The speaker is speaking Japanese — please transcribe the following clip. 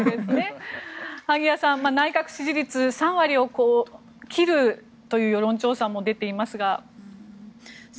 萩谷さん、内閣支持率３割を切るという世論調査も出ていますが。